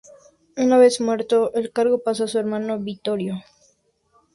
Una vez muerto, el cargo pasó a su hermano Vittorio.